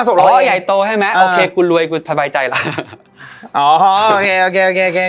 อย่างใต้โตให้ไหมโอเคกูรวยกูแตะใบใจละอ๋อโอเค